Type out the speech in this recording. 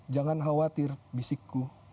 jangan khawatir bisikku